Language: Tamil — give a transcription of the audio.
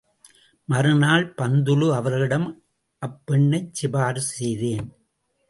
மறுநாள் பந்துலு அவர்களிடம் அப்பெண்ணைச் சிபாரிசு செய்தேன்.